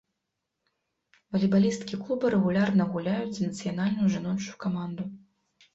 Валейбалісткі клуба рэгулярна гуляюць за нацыянальную жаночую каманду.